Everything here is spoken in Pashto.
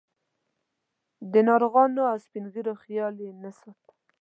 د ناروغانو او سپین ږیرو خیال یې نه ساته.